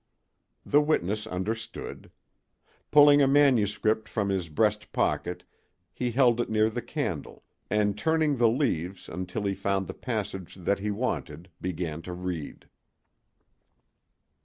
The witness understood. Pulling a manuscript from his breast pocket he held it near the candle and turning the leaves until he found the passage that he wanted began to read.